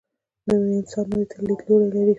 نوی انسان نوی لیدلوری لري